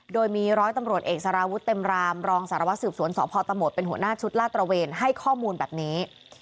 โดยมีร้อยตำรวจเอกสารวุฒิเต็มรามรองสารวัสสืบสวนสพตหมดเป็นหัวหน้าชุดลาดตระเวนให้ข้อมูลแบบนี้